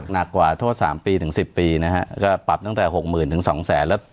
หนักกว่าโทษ๓ปีถึง๑๐ปีนะฮะก็ปรับตั้งแต่๖๐๐๐๐๒๐๐๐๐๐บาท